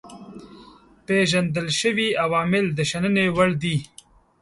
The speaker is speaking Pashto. پيژندل شوي عوامل د شنني وړ دي.